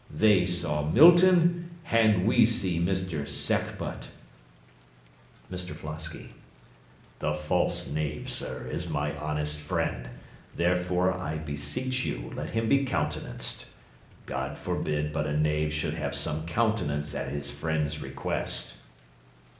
They saw Milton, and we see Mr Sackbut. MR FLOSKY The false knave, sir, is my honest friend; therefore, I beseech you, let him be countenanced. God forbid but a knave should have some countenance at his friend's request.